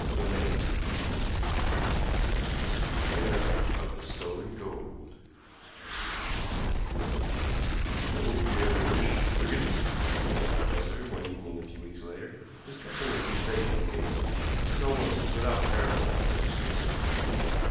CHAPTER XII THE AFFAIR OF THE STOLEN GOLD "So you have your wish, Wigan," said the professor, one evening a few weeks later, discussing a sensational case which was almost without parallel in the history of London.